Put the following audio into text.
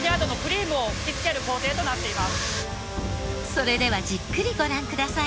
それではじっくりご覧ください。